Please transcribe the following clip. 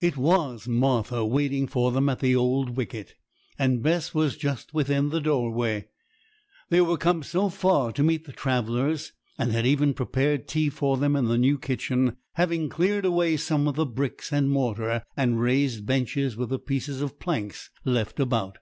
It was Martha waiting for them at the old wicket, and Bess was just within the doorway. They were come so far to meet the travellers, and had even prepared tea for them in the new kitchen, having cleared away some of the bricks and mortar, and raised benches with the pieces of planks left about.